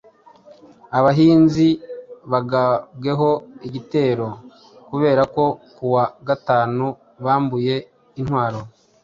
abahinzi bagabweho igitero kubera ko ku wa gatanu bambuye intwaro